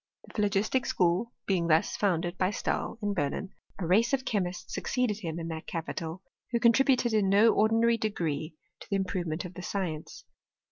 The phlogistic School being thus founded by Stahl, in Berlin, a race of chemists succeeded him in that Capital, who contributed in no ordinary degree to the improvement of the science.